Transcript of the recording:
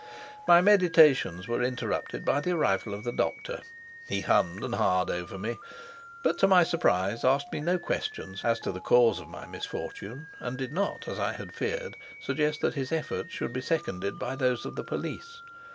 My meditations were interrupted by the arrival of the doctor. He hummed and ha'd over me, but to my surprise asked me no questions as to the cause of my misfortune, and did not, as I had feared, suggest that his efforts should be seconded by those of the police.